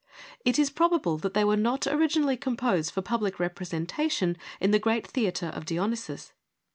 It is probable that they were not originally com posed for public representation in the great theatre of Dionysus.